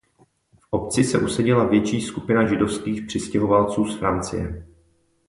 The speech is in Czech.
V obci se usadila větší skupina židovských přistěhovalců z Francie.